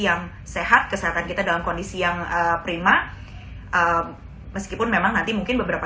yang sehat kesehatan kita dalam kondisi yang prima meskipun memang nanti mungkin beberapa